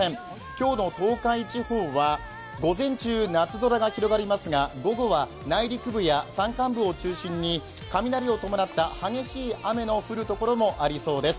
今日の東海地方は午前中夏空が広がりますが午後は内陸部や山間部を中心に雷を伴った激しい雨の降るところもありそうです。